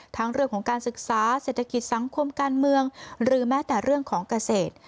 ทั้งเรื่องของการศึกษาเศรษฐกิจสังคมการเมืองหรือแม้แต่เรื่องของเกษตร